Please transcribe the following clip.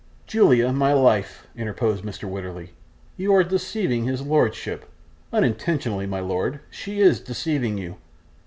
'Julia, my life,' interposed Mr. Wititterly, 'you are deceiving his lordship unintentionally, my lord, she is deceiving you.